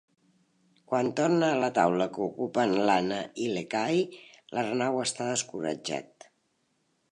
Quan torna a la taula que ocupen l'Anna i l'Ekahi, l'Arnau està descoratjat.